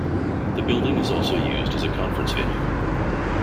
The building is also used as a conference venue.